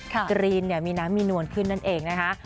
กรีนมีน้ำมีนวลขึ้นนั่นเองนะคะ